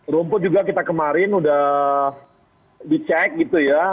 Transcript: rumput juga kita kemarin udah dicek gitu ya